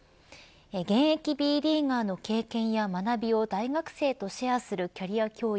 現役Ｂリーガーの経験や学びを大学生とシェアするキャリア教育